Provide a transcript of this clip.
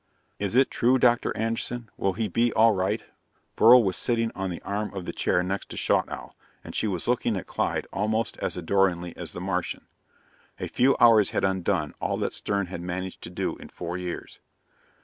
"Is it true, Dr. Anderson? Will he be all right?" Beryl was sitting on the arm of the chair next to Schaughtowl, and she was looking at Clyde almost as adoringly as the Martian. A few hours had undone all that Stern had managed to do in four years.